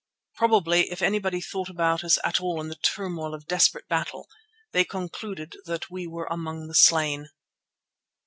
Probably, if anybody thought about us at all in the turmoil of desperate battle, they concluded that we were among the slain.